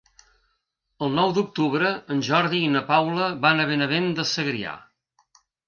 El nou d'octubre en Jordi i na Paula van a Benavent de Segrià.